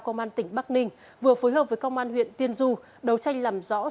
công an tỉnh bắc ninh vừa phối hợp với công an huyện tiên du đấu tranh làm rõ